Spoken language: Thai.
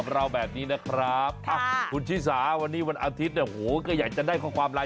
อยากคุยอะไรคุยมาเลย